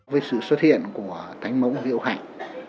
với sự xuất hiện của thánh mẫu liễu hạnh